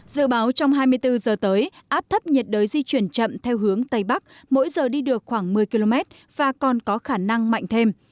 dự báo trong hai mươi bốn giờ tới áp thấp nhiệt đới di chuyển chậm theo hướng tây bắc mỗi giờ đi được khoảng một mươi km và còn có khả năng mạnh thêm